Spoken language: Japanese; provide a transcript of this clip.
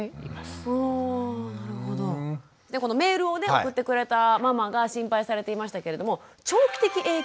このメールを送ってくれたママが心配されていましたけれども長期的影響？